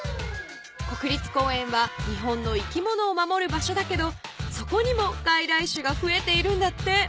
国立公園は日本の生き物を守る場所だけどそこにもがいらいしゅがふえているんだって。